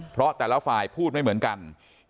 เพราะแต่ละฝ่ายพูดไม่เหมือนกัน